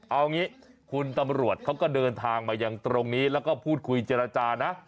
เอางี้คุณตำรวจเขาก็เดินทางมายังตรงนี้แล้วก็พูดคุยเจรจานะ